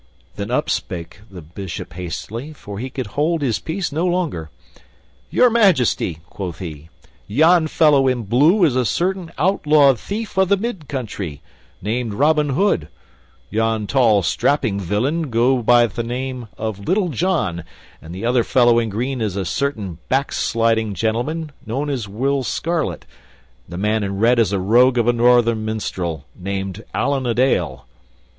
Then up spoke the Bishop hastily, for he could hold his peace no longer: "Your Majesty," quoth he, "yon fellow in blue is a certain outlawed thief of the mid country, named Robin Hood; yon tall, strapping villain goeth by the name of Little John; the other fellow in green is a certain backsliding gentleman, known as Will Scarlet; the man in red is a rogue of a northern minstrel, named Allan a Dale."